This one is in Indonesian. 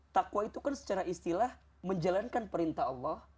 takwa itu kan secara istilah menjalankan perintah allah